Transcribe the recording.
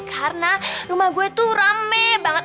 karena rumah gue tuh rame banget